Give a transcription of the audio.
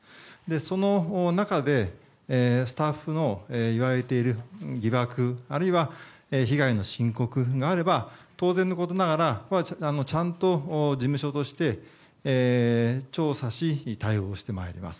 その中でスタッフの言われている疑惑あるいは、被害の申告があれば当然のことながらちゃんと事務所として調査し、対応してまいります。